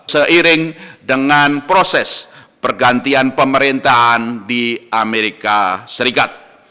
seiring dengan proses pergantian pemerintahan di amerika serikat